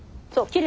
そう。